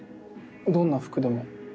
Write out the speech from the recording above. どんな服でも。